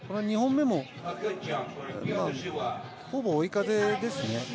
２本目もほぼ追い風ですね。